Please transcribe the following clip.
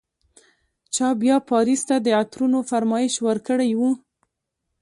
چا بیا پاریس ته د عطرونو فرمایش ورکړی و.